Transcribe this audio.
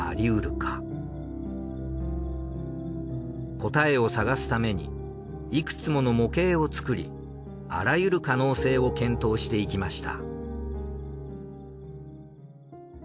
答えを探すためにいくつもの模型を作りあらゆる可能性を検討していきました。